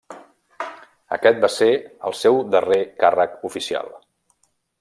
Aquest va ser el seu darrer càrrec oficial.